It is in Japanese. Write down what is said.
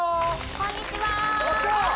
こんにちは！